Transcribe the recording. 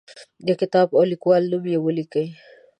د کتاب او لیکوال نوم یې ولیکئ.